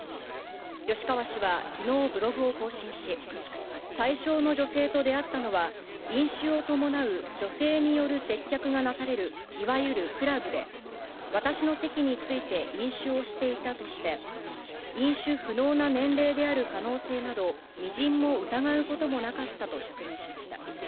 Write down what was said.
吉川氏はきのう、ブログを更新し、対象の女性と出会ったのは、飲酒を伴う女性による接客がなされるいわゆるクラブで、私の席について飲酒をしていたとして、飲酒不能な年齢である可能性など、みじんも疑うこともなかったと釈明しました。